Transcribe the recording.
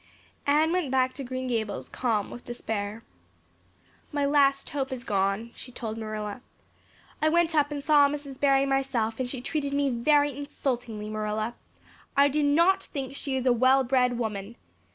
Anne went back to Green Gables calm with despair. "My last hope is gone," she told Marilla. "I went up and saw Mrs. Barry myself and she treated me very insultingly. Marilla, I do not think she is a well bred woman.